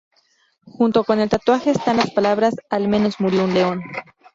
Junto con el tatuaje están las palabras "Al menos murió un león".